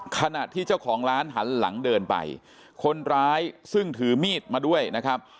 ขณะที่เจ้าของร้านหันหลังเดินไปคนร้ายซึ่งถือมีดมาด้วยนะครับ